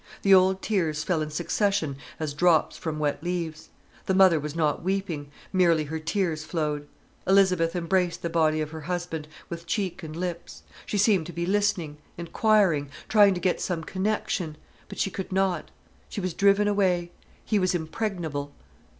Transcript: The old tears fell in succession as drops from wet leaves; the mother was not weeping, merely her tears flowed. Elizabeth embraced the body of her husband, with cheek and lips. She seemed to be listening, inquiring, trying to get some connection. But she could not. She was driven away. He was impregnable.